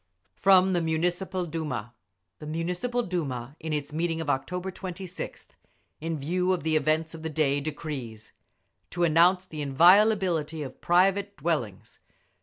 FROM THE MUNICIPAL DUMA The Municipal Duma in its meeting of October 26th, in view of the events of the day decrees: To announce the inviolability of private dwellings.